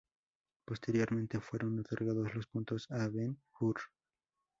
Posteriormente fueron otorgados los puntos a Ben Hur.